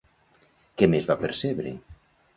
Què més va percebre?